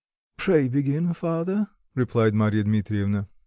"Pray begin father," replied Marya Dmitrievna.